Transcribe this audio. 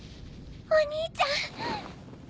お兄ちゃん。